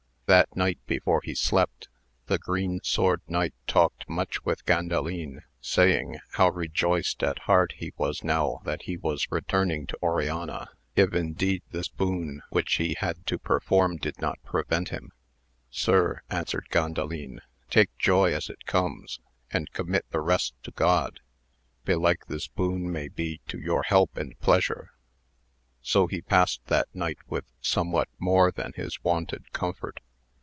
That night before he alopt the Green Sword Knight talked much with Qandalin saying, how rejoiced at heart he was now that he was returning toward Oriana, if indeed this boon which he had to perform did not prevent him. Sir, answered Gandalin, take joy as it comes, and commit the rest to God, belike this boon may be to your help and pleasure. So he passed that night with somewhat more than his wonted comfort.